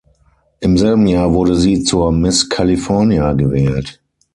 Im selben Jahr wurde sie zur "Miss California" gewählt.